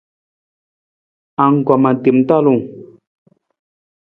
Anggoma tem talung.